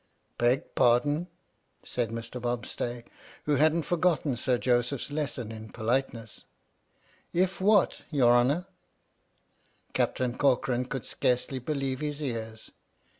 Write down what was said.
" Beg pardon," said Mr. Bobstay, who hadn't forgotten Sir Joseph's lesson in politeness, "{{what, your honour?" Captain Corcoran could scarcely believe his ears.